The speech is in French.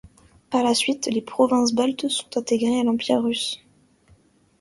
Par la suite, les provinces baltes sont intégrées à l'Empire russe.